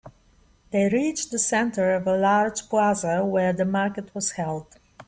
They reached the center of a large plaza where the market was held.